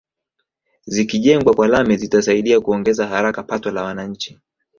Zikijengwa kwa lami zitasaidia kuongeza haraka pato la wananchi